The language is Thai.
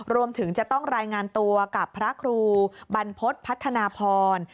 รวมถึงจะต้องรายงานตัวกับพระครูบรรพฤษพัฒนาพร